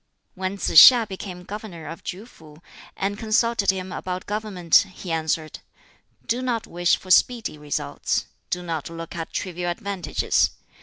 When Tsz hiŠ became governor of KŁ fu, and consulted him about government, he answered, "Do not wish for speedy results. Do not look at trivial advantages.